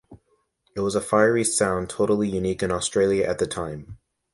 It was a fiery sound totally unique in Australia at the time.